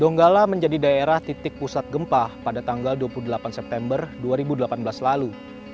donggala menjadi daerah titik pusat gempa pada tanggal dua puluh delapan september dua ribu delapan belas lalu